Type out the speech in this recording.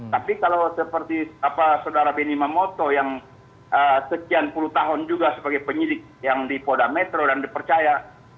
tapi kalau seperti saudara benny mamoto yang sekian puluh tahun juga sebagai penyidik yang di polda metro dan dipercaya